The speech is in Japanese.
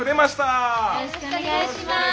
よろしくお願いします。